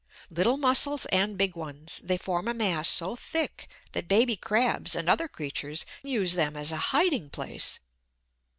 Little Mussels and big ones, they form a mass so thick that baby crabs and other creatures use them as a hiding place.